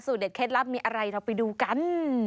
เด็ดเคล็ดลับมีอะไรเราไปดูกัน